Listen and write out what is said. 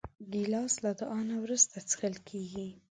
ګیلاس له دعا نه وروسته څښل کېږي.